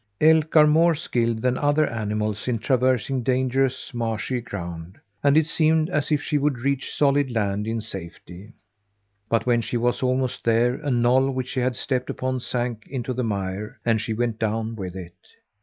Elk are more skilled than other animals in traversing dangerous, marshy ground, and it seemed as if she would reach solid land in safety; but when she was almost there a knoll which she had stepped upon sank into the mire, and she went down with it.